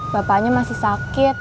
bapaknya masih sakit